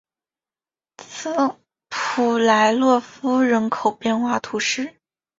普莱洛夫人口变化图示